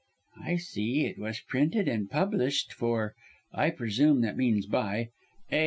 "I see it was printed and published for I presume that means by A.